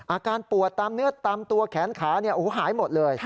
อาการปวดตามเนื้อตามตัวแขนขาหายหมดเลย